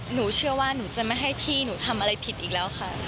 หนูเชื่อว่าหนูจะไม่ให้พี่หนูทำอะไรผิดอีกแล้วค่ะ